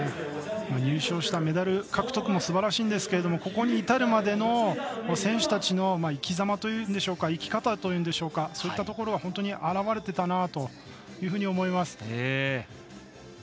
入賞したメダル獲得もすばらしいんですがここに至るまでの選手たちの生きざまというんでしょうか生き方というんでしょうかそういったところが本当に表れていたなと思います。